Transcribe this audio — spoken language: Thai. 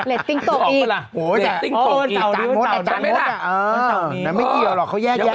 เล็ตติ้งตกอีกโอ้โฮแต่จานมดแต่จานมดอ่ะเออแต่ไม่เกี่ยวหรอกเขาแยกได้